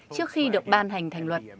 trước khi được ban hành thành luật